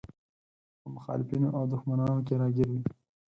په مخالفينو او دښمنانو کې راګير وي.